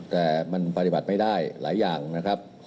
แต่มันปฏิบัติไม่ได้หลายอย่างนะครับ